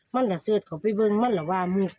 มั่นล่ะเสือดของพี่เบิ้งมั่นล่ะว่ามุก